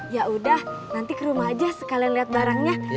ya udah nanti ke rumah aja sekalian lihat barangnya